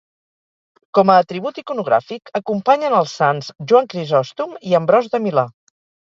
Com a atribut iconogràfic, acompanyen els sants Joan Crisòstom i Ambròs de Milà.